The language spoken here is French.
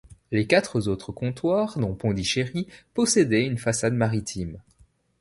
Les quatre autres comptoirs, dont Pondichéry, possédaient une façade maritime.